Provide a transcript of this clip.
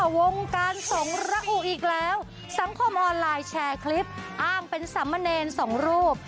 วงการสงระอุอีกแล้วสังคมออนไลน์แชร์คลิปอ้างเป็นสามเณรสองรูป